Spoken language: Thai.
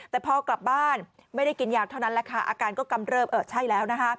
แต่พอกลับบ้านไม่ได้กินยาเท่านั้นแหละค่ะอาการก็กำเริบเออใช่แล้วนะคะ